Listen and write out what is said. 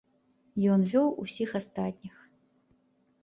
Ён вёў усіх астатніх.